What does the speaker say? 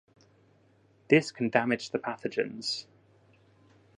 This can damage the pathogens.